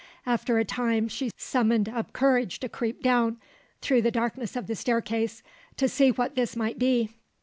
After a time she summoned up courage to creep down, through the darkness of the staircase, to see what this might be.